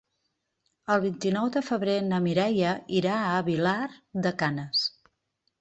El vint-i-nou de febrer na Mireia irà a Vilar de Canes.